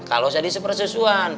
kalau jadi sepersusuan